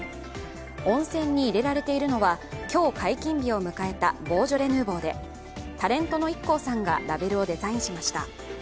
温泉に入れられているのは今日解禁日を迎えたボージョレ・ヌーボーでタレントのＩＫＫＯさんがラベルをデザインしました。